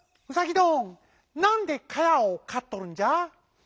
どんなんでかやをかっとるんじゃ？」。